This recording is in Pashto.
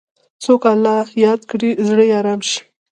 څوک الله یاد کړي، زړه یې ارام شي.